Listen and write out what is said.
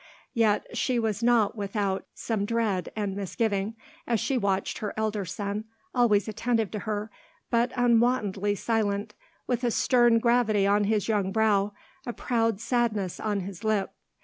Yet she was not without some dread and misgiving, as she watched her elder son, always attentive to her, but unwontedly silent, with a stern gravity on his young brow, a proud sadness on his lip.